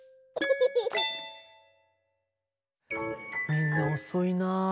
みんなおそいな。